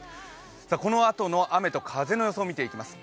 このあとの雨と風の予想を見ていきます。